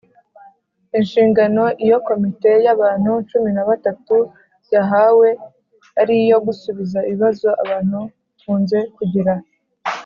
Inshingano iyo Komite y'abantu cumi na batatu yahawe yari iyo gusubiza ibibazo abantu kunze kugira